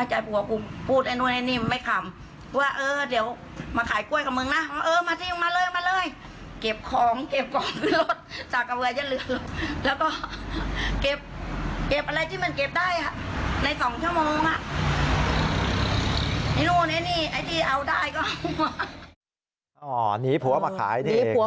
อ๋อหนีผัวมาขายเนี้ย